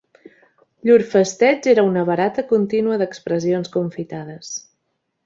Llur festeig era una barata contínua d'expressions confitades.